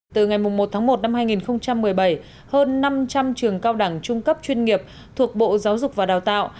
từ ngày một tháng một năm hai nghìn một mươi bảy hơn năm trăm linh trường cao đẳng trung cấp chuyên nghiệp thuộc bộ giáo dục và đào tạo